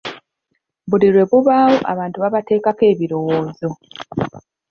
Buli lwe bubaawo abantu babateekako ebirowoozo.